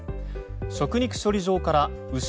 食肉処理場から牛